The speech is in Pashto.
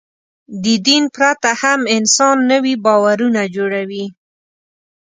د دین پرته هم انسان نوي باورونه جوړوي.